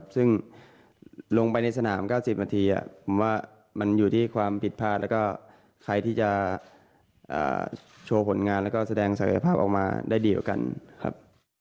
ซึ่งลงไปในสนาม๙๐นาทีผมว่ามันอยู่ที่ความผิดพลาดแล้วก็ใครที่จะโชว์ผลงานแล้วก็แสดงศักยภาพออกมาได้ดีกว่ากันครับ